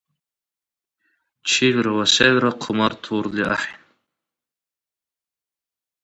Чилра ва селра хъумартурли ахӀен.